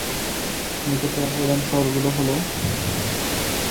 নিকটতম প্রধান শহরগুলি হল ডেরা গাজী খান এবং বাহাওয়ালপুর।